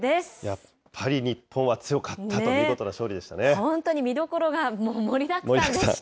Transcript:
やっぱり日本は強かったと、本当に、見どころがもう盛りだくさんでした。